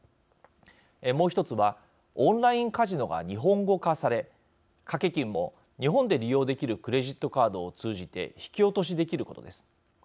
もう１つはオンラインカジノが日本語化され掛け金も日本で利用できるクレジットカードを通じて引き落としできることです。